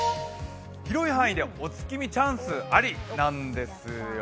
広い範囲でお月見チャンスありなんですよ。